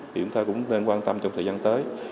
thì chúng ta cũng nên quan tâm trong thời gian tới